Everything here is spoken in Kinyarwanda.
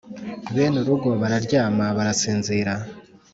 Bene urugo bararyama, barasinzira